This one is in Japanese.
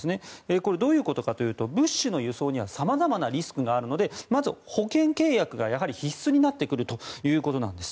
これ、どういうことかというと物資の輸送には様々なリスクがあるのでまず保険契約が必須になってくるということなんです。